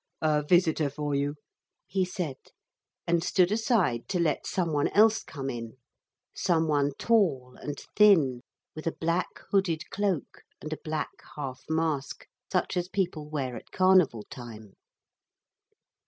'A visitor for you,' he said, and stood aside to let some one else come in, some one tall and thin, with a black hooded cloak and a black half mask, such as people wear at carnival time.